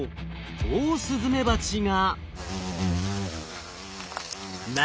オオスズメバチが。